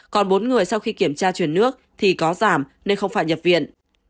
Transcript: còn bốn người sau khi kiểm tra chuyển nước thì có giảm nên không phải nhập viện